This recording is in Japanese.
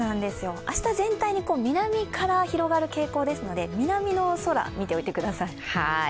明日全体に南から広がる傾向ですので南の空、見ておいてください。